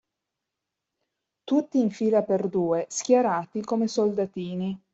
Tutti in fila per due, schierati come soldatini.